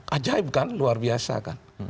ajaib kan luar biasa kan